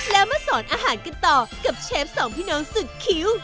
แล้วมาสอนอาหารกันต่อกับเชฟสองพี่น้องสุดคิ้ว